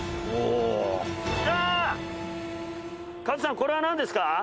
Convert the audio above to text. カズさんこれは何ですか？